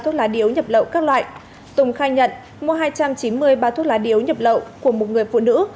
thuốc lá điếu nhập lậu các loại tùng khai nhận mua hai trăm chín mươi bao thuốc lá điếu nhập lậu của một người phụ nữ